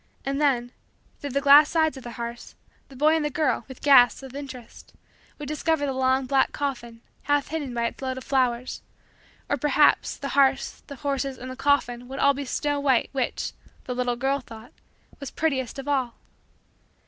And then, through the glass sides of the hearse, the boy and the girl, with gasps of interest, would discover the long black coffin half hidden by its load of flowers; or, perhaps, the hearse, the horses, and the coffin, would all be snow white which, the little girl thought, was prettiest of all.